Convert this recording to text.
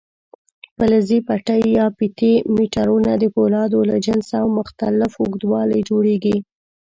فلزي پټۍ یا فیتې میټرونه د فولادو له جنسه او مختلف اوږدوالي جوړېږي.